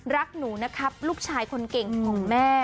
รักหนูนะครับลูกชายคนเก่งของแม่